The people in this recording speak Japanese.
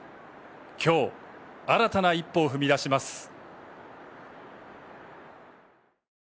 きょう、新たな一歩を踏み出します。